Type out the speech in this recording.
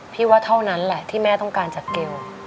ว่าเท่านั้นแหละที่แม่ต้องการจากเกล